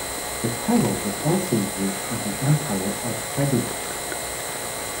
The title was also used in the Empire of Trebizond.